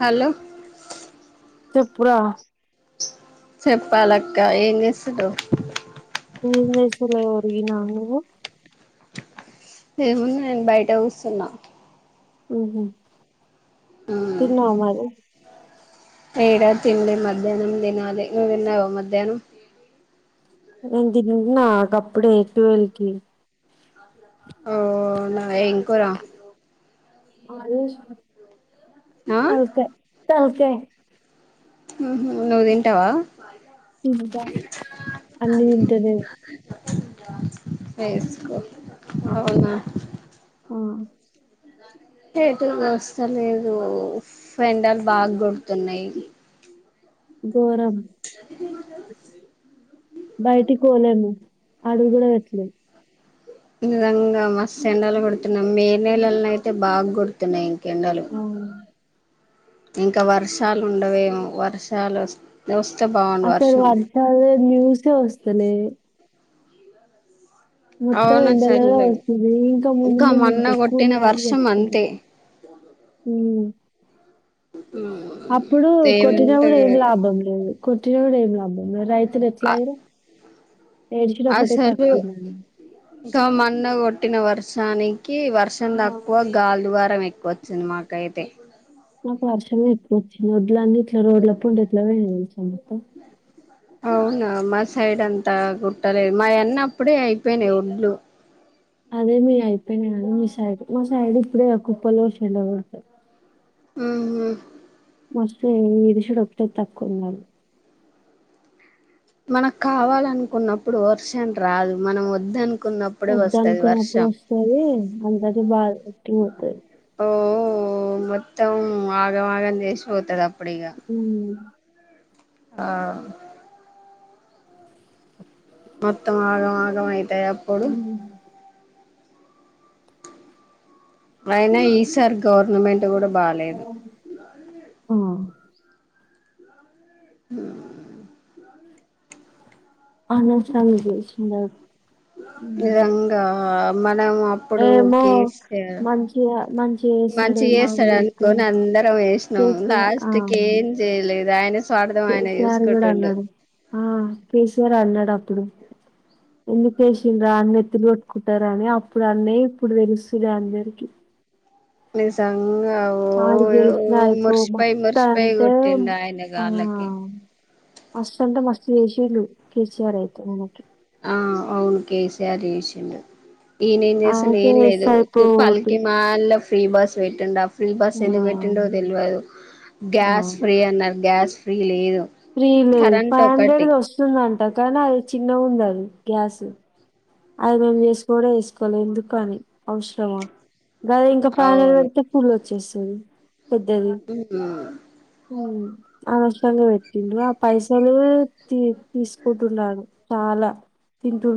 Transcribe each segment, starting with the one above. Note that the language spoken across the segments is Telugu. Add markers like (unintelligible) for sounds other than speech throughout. హలో చెప్పు రా చెప్పాలక్క ఏం చెస్తుడు ఎం చేసుడు లే ఒరిగిన నువ్వు ఎం ఉంది నేను బయట కూసున్నా అ తిన్నావా మరి ఏడ తిండి మధ్యాహ్నం తినాలి నువ్వు తిన్నావా మధ్యాహ్నం నీను తింటన్నా గప్పుడే టువెల్ కి ఓ అవునా ఎం కూర మాది ఆ ల్ కాయ తల్కయా అహ నువ్వు తింటావా ఇంకా అన్ని తింటా నిను ఫేస్కు అవునా ఆ ఏటు తోస్తలేదు ఎండాలు బాగా కొడుతున్నాయి గోరం బయటికి పోలేము అడుగుగుడ పెట్టలేము నిజంగా మస్ ఎెండలు కొడుతు న మే నెలలానైతే బాగా గోడు తున్నాయి ఎండలు అవును ఇంకా వర్షాలు ఉండవేమో వర్షాలు వస్తే వాస్ అక్క వర్షలో నిన్ూసే వస్తు తలేవు మొత్తం అవును ఎండలగా చల్లే వస్తుంది ఇంకా ముందు ముందు మొన్న ఇంకెక్కువ కొట్టిన ఉన్నాయి అని వర్షం చెప్తడు అంతే హ అప్పుడు ఏమంటే కొట్టినప్పుడు ఏం లాభం లేదు కొట్టినప్పుడు ఏం అది అ ఎట్లయిరు ఏడ్చిడు ఒకటే తక్కువ ఉంది సో మొన్న కొట్టిన వర్షానికి కి వర్షం తక్కువ గల్దీవారం ఎక్కువ వచ్చింది మాకైతే మాకు వర్షం ఎక్కువ ఒచ్చింది ఒడ్లన్నీ ఇట్లా రోడ్ల పంటి ఎట్లా పోయినయో తెలుసా నీకు అవునా మా సైడ్ అంత తా కుట్టలేదు మా అన్నప్పుడే అయిపోయినాయి ఒడ్లు అదే మీయి అయిపోయినాయి గానీ మీ సైడ్ మా సైడ్ ఇప్పుడే కుప్ప లో ఏషిళ్లు ఒడ్ ఆహా మస్తు ఏడుషుడు ఒకటె తక్కువుంది మాది మనకు కావాలనుకున్నప్పుడు వర్షానిక్ వద్ద వస్తది అనుకున్నప్పుడు వర్షం వస్తది అంతకే బాగా ఎక్టి అవుతది ఓ మొత్తం ఆగమాగం చేసిపోతుది అ ఉ ఆ మొత్తం ఆగం ఆగం అ ఎప్పుడు అయినా ఈ సారీ గవర్నమెం ఆ హ అనవసరంగా గెలిచిందది నిజంగా అప్పుడు ఏమో కె సి అర్ మంచిగా మంచిగా మంచి చేస్తాడేమో అని చేస్తాడు చెప్పి అనుకోని అందరం వేసినాం చేస్తే లాస్ట్కి ఏం చేయలేదు ఆయన స్వార్థం కె ఆయన సీ ఆర్ కూడా చూసుకుంటుండు అన్నాడు ఆ కె సీ ఆర్ అన్నాడు అ ప్పుడు ఎందుకు వసిండ్రా అన్న ఎత్తులు కొట్టుకుంటారా అని అప్పుడు అన్న ఇప్పుడు తెలుస్తుంది అందరికి ని సంగ ఆడు గెలిచినా అయిపో మురిసిపోయి మస్తా మురిసిపోయి అంటే కొట్టిండు ఆయన ఆ గాళ్ళకి మస్త్ అంటే మస్త్ చేసిల్లు కె సి ఆర్ అయితే నన్ను అయితే ఆ అవును కే సీ ఆర్ చేసిండు ఈయనేం ఆయనకే వేస్తే చేస్తనేలేడు అయిపో ఉత్తి ఓటు పనికిమాలిన ఫ్రీ బస్ వెట్టిండ అప్ ఫ్రీ బస్ ఆ ఎందుకు వేట్టిండో తెలివదు ఆ, గ్యాస్ ఫ్రీ అన్నారు గ్యాస్ ఫ్రీ లేదు ఫ్రీ లేదు కరెంట్ ఫైవ్ హండ్రెడ్ ఒకటి ది ఓస్తుందంట కనీ అది చిన్నగా ఉన్నది గ్యాస్ ఎ అది మేము దీసుకోలే ఎసుకోలే ఎందుకు అని అవసరమా గదే ఇంకా పానెల్ అవును వెడితే పూల్ ఓచ్చేస్తది పెద్దది ఉ అనవసరంగా వెట్టిడు ఆ పైసలు తి తీసుకుంటున్నాడయన చాలా ఉండు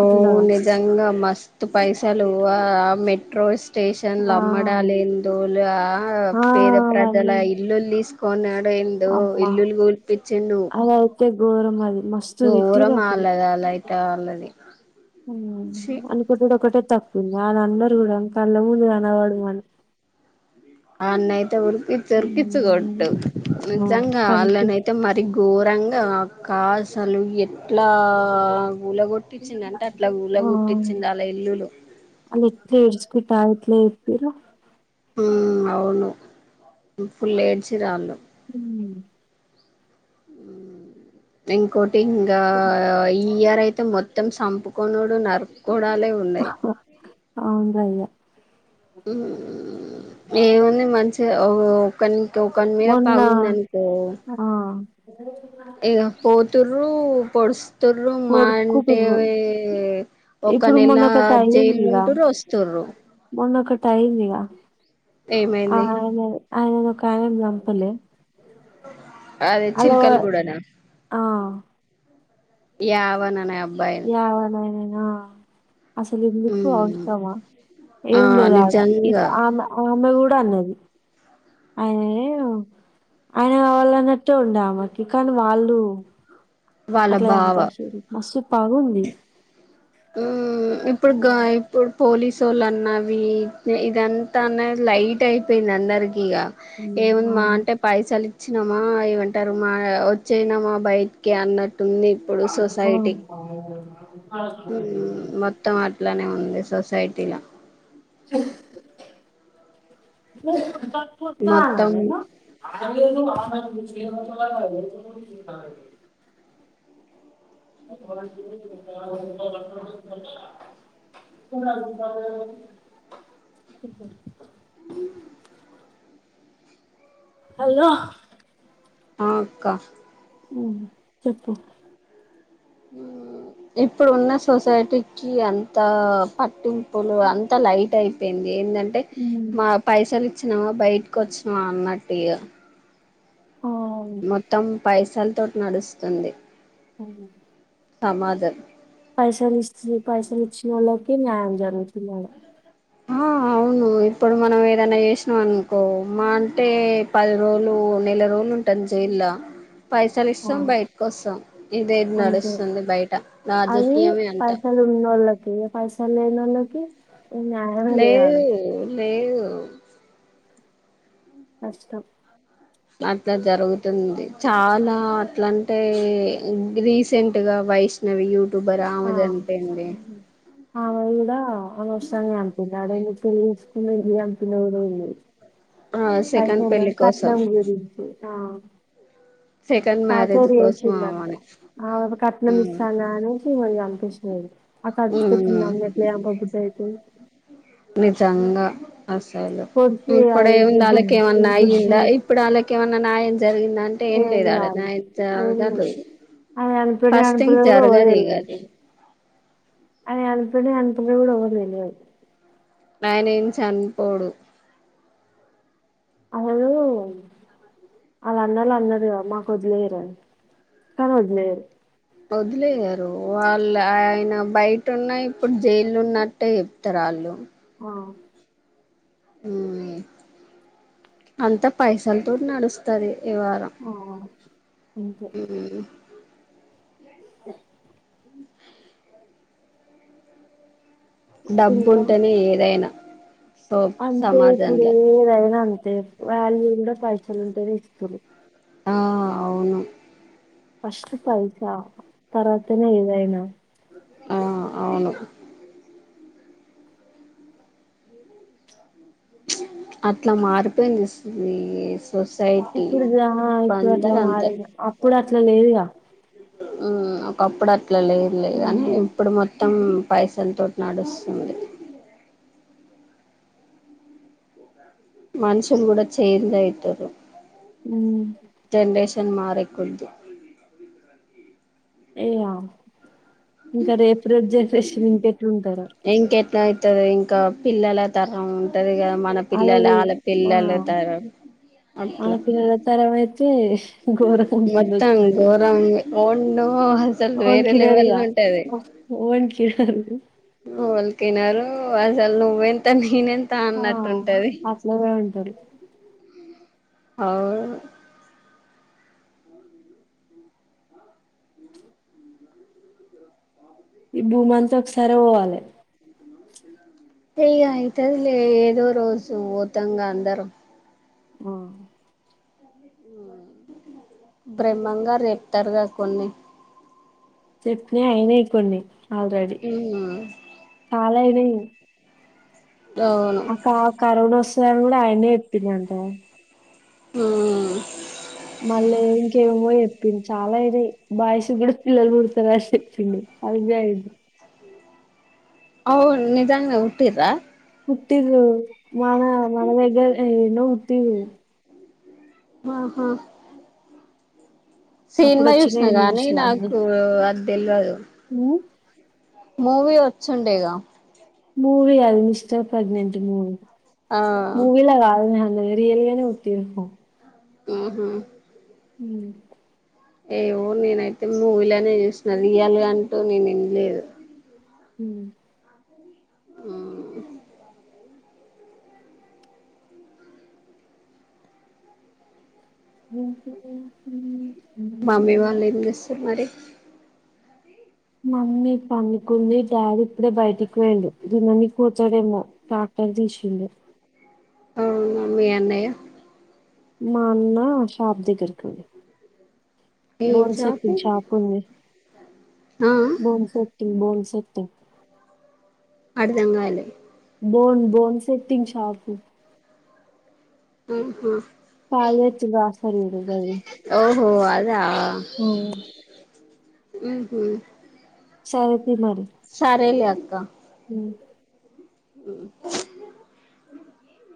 ఓ నిజంగా మస్త్ తు పైసలు ఆ మెట్రోస్, స్టేషన్ ఆ లో అమ్మడలు. లా ఏందో ఆ పేద ప్రజల అవన్నీ ఇల్లులు తీసుకో, కొనే రెండు అమ్మా ఇల్లు కులిపిచ్చిండు, గోరం అది, మస్తు తిట్టిర్రు దూరం అప్పుడు అల్లాది అల్ల అయితే, ట వాళ్లది ఉమ్ వన్ని కొట్టుడు ఒక్కటే త తప్పు వాళ్ళందరూ కూడా కళ్ళముందు కనవడమను, వన్నే అయితే ఉర్కిచ్చి ఉర్కిచ్చి కొట్టు ఆ నీజంగా కనిపి అల్లనైతే అయితే మరి గోరంగ, రంగా అక్క అసలు ఎట్లా, కూలగొట్టిచ్చిండంటే అట్లా ఆ కూలగొట్టిచ్చిండు ఆళ్ళ ఇల్లులు అల్లు ఎట్ల ఏడ్చుకుంటా, ఎట్ల చెప్పిర్రు, హ్మ్ అవును ఫుల్ ఏడ్చిరు వాళ్ళు, ఉ హ్మ్ ఇంకోటి, ఇంగా ఈ ఇ ఇయర్ అయితే మొత్తం సంపుకునుడు నార్క్, అహో ఓ అవును రా అయ్య, ఆ ఓ ఒకని ఒక్కని మీద పగ ఉందనుకో, ఆ ఏగా పోతుర్రు, రూ పొడుసు, వస్తుర్రు మా అంటే పొడుచుకుంటుర్రు ఒక ఇప్పుడు నెల మొన్న ఒకటి జైలు అయ్యిందిగా ఉంటూరు వస్తారు, తాయిందిగా, ఆ ఆయనదే, అయన ఒక ఆయను చంపలే, అదే అలా చిలకలు ఆ యా వనా, ఎవ లాయను, ఆ అసలు ఎందుకు ఉమ్ అవసరమా ఆ ఏం లేదు ఆడ ఇది నిజంగా ఆమె ఆమె కూడా, అన్నది ఆయా ఆయన కావాలన్నట్టే ఉండే ఆమెకి కానీ వాళ్ళు వాళ్ళ అట్ల బావ సంపేసిర్రు మస్తు పాగు స్ ఊ ఇప్పుడుగ ఇప్పుడు పోలీస్ సోలన్నవి ఇదంతా అనే లైట్ అయిపోయింది అందరికి ఇగ ఉమ్ ఏముఉంది మా అంటే పైసలు వచ్చినమా ఏమంటారు మా వచ్చేనామా బయటికి అన్నట్టు ఉంటుంది ఇప్పుడు అవును సొసైటీ ఉ మొత్తం లానే ఉంది సొసైటీలా మొత్తం హలో ఆ అక్క వు చెప్పు ఇప్పుడు ఉన్న సొసైటీకిి అంత పట్టింపులు అంత లైట్ అయిపోయింది ఏంధంటే అంటే మా పైసలు వచ్చినమా బయటకు వచ్చినావా అన్నట్టు ఇగా ఉ మొత్తం పైస్ అసలతోట నడుస్తుంది అవునా తమాజ వచ్చినోళ్ళకి న్యాయం జరుగుతుంది ఆడ ఆ అవును ఇప్పుడు మనం ఏదైనా చేసినాం అనుకో, మా అంటే పది రోజులు నెల రోజులు ఉంటుంది జైల్లో. పైసలు ఆ ఇస్తాం బయటకి వస్తాం ఇదేది అంతే నడుస్తుంది బయట రాజకీయమే అంటా పైసా లేనోళ్ల కి లేదు లేదు కష్టం అట్ల జరుగుతుంది చాలా అట్లంటే రీసెంట్గా వైష్ణవి యూ ట్యూబర్ ఆ ఆమె చనిపోయింది ఆమె ఇడా అనవసరం గ చంపింది. అడ ఎందుకు పెళ్లి చేసుకుందో, ఎందకు చంపిందో కుడా తెలీదు. ఆ సెకండ్ పైసల్ పెళ్లి కోసం కట్నం గురించి సెకండ్ మ్యారేజ్ ఇంకోసారి కోసం చేసిల్లంట ఆమని జైలు కట్నం ఉమ్ ఇస్తాన్ లేం (unintelligible) ఈమెను చంపేసిర్రు ఉమ్ (unintelligible) నిజంగా అసలు పొడిచి అది ఇప్పుడేముంది గుద్ది వాళ్ళకేమన్నా అయ్యిందా గుద్ది ఇప్పుడు వాళ్ళకేమన్నా నాయం జరిగిందంటే ఏం లేదు ఆడ నాయంత ఏం జరగదు లేదు ఆమె చనిపోయిందో ఫస్ట్ ధింగ్ జరగాదు ఇగది అదే అనిపిడే అనిపిడ కూడా (unintelligible) తెలియదు ఆయనేం చనిపోడు ఔను వాళ్ళన్నోళ్ళందరు మాకొదిలేయరు కానీ వదిలేయరు వదిలేయ్యారు వాళ్ళు ఆయన బయట ఉన్నా ఇప్పుడు జైల్లున్నట్టే చెప్తరు ఆళ్ళు ఆ ఉం అంతా పైసలతోటి నడుస్తది ఈ వారం ఆ అంతే మ్ ఇప్పుడు ఇంకా డబ్బుంటేనే ఏదైనా సో అంతే ఇప్పుడు సమాజంలో ఏదైనా అం తే వాల్యూ కూడా పైసలుంటేనే ఇస్తుర్రు ఆ అవును ఫస్ పైసా తర్వాతనే ఏదైనా ఆ అవును అట్లా మారిపోయింది ఇస్తు (unintelligible) ఇప్పుడుగా ఇప్పుడట్ల అంతే మారేగా అప్పుడట్ల లేదుగా మ్ ఒకప్పుడ ట్లలేదులే గానీ మ్మ్ ఇప్పుడు మొత్తం పైసల్తోటి నడుస్తుంది మనుషులు కూడా ఛేంజైతరు మ్ షన్ మారేకొద్ది ఏఇగ ఇంకా రేపు రేపు జనరేషన్ ఇంకెట్లుంటరో టదొ ఇంక పిల్లల తరం ఉంటదిగా మన పిల్లలు అలాది ఆళ్ల ఆ పిల్లల తరం అట్లా తేష్ మొత్తం ఘోరం ఓండో అసల్ వేరే లెవెల్ ఓన్కినరిగా ఉంటది ఓన్కినరు వోల్కినరు అసల్ నువ్వెంత ని ఆ అట్లనే ఉంటారు ఔను ఈ భూమంతా ఒకసారే పోవాలె ఇగ ఐతాదిలే ఏదో రోజు పోతాంగా అందరూ ఆ బ్రహ్మంగారు చెప్తారుగా కొన్ని చెప్పినయి అయినాయి కొన్ని ఆల్రెడీ ఉమ్ చాల అయినాయి అవును అక్క కరువుగూడ ఓస్ కూడా ఆయనే చెప్పిండు అంటగా అ మల్లా ఇంకేమో చెప్పిండు చాలా అయినాయి బాయ్స్ కూడా పిల్లలు పుడతరు అని చెప్పిండు అది కూడా అయింది అవును నిజాంగనే పుట్టింరా పుట్టిరూ మన మన దగ్గరనే ఎన్నో పుట్టిరు ఆహా అప్పుడు సినిమా చూసిన వచ్చినాయి న్యూస్ గానీ లో అన్ని నాకు అది తెలవదు ఉమ్, మూవీ వచ్చిండేగా మూవీ అది మిస్టర్ ప్రెగ్నెంట్ మూవీ ఆ మూవీలగాదు రియల్గానే పుట్టింరు ఆహా హ ఏవో నేనైతే మూవీ ల నే చూసిన రియల్గా అంటూ నేను ఏం లేదు హ ఉ మమ్మీ వాళ్ళు ఏంజెస్ స్తు మరి మమ్మీ పన్నుకుంది డాడీ ఇప్పుడే బయటికీ పోయిండు దున్ననికి పోతాడేమో టాక్టర్ తీసిండూ అవునా మీ అన్నయ్య మా అన్న షాప్ దగ్గరికి వోయిండు ఏం బోన్ జాబు సెటింగ్ షాపు ఉంది ఆ ఆ బోన్ సెటింగ్ బోన్స్ అర్థంకాలే బోన్ బోన్ సెట్టింగ్ షాపు ఆహా కాళ్ళు తెచ్చి వస్తారు చూడు గది ఓ అద్ దా ఉహు సరే తీ మరి సరేలే అక్క హ్మ్. ఉమ్